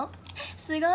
すごいね。